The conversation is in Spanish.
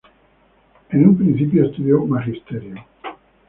En un principio estudió magisterio.